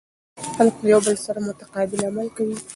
خلک له یو بل سره متقابل عمل کوي.